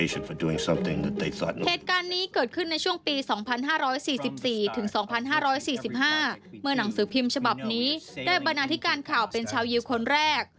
เหตุการณ์นี้เกิดขึ้นในช่วงปี๒๕๔๔๒๕๔๕เมื่อหนังสือพิมพ์ฉบับนี้ได้บรรณาที่การข่าวเป็นชาวยิวคนแรก